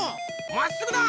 まっすぐだ！